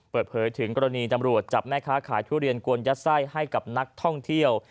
เปิดเผยถึงกรณีตำรวจจับแม่ค้าขายทุเรียนกวนยัดไส้ให้กับนักท่องเที่ยว